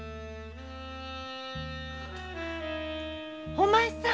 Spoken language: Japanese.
お前さん！